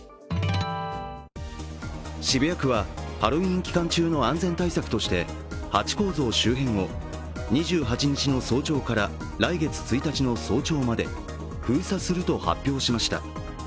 渋谷区は、ハロウィーン期間中の安全対策として、ハチ公像周辺を２８日の早朝から来月１日の早朝まで封鎖すると発表しました。